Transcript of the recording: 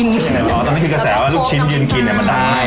อ๋อตอนนี้คือกระแสว่าลูกชิ้นยืนกินให้มันตาย